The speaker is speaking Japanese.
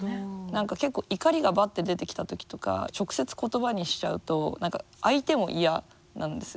何か結構怒りがばって出てきた時とか直接言葉にしちゃうと何か相手も嫌なんですよね。